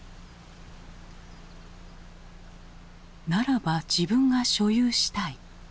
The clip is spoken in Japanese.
「ならば自分が所有したい」。